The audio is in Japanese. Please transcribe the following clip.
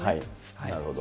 なるほど。